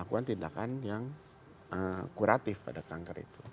itu adalah tindakan yang kuratif pada kanker itu